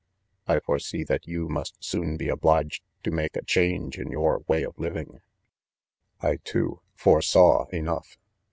* I foresee that you must soon be obliged to make a change in your way of living.' . I, too, foresaw enough.